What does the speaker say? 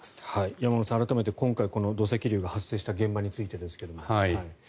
山村さん、今回改めて土石流が発生したこの現場についてですが。